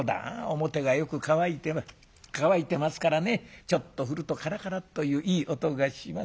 表がよく乾いてる乾いてますからねちょっと振るとカラカラッといういい音がします。